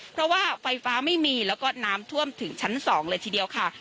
เพราะว่าไฟฟ้าไม่มีแล้วก็น้ำท่วมถึงชั้น๒เลยทีเดียวค่ะ